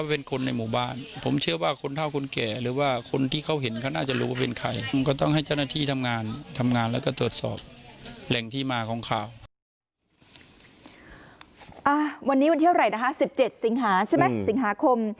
วันนี้วันเท่าไหร่นะคะ๑๗สิงหาใช่ไหมสิงหาคม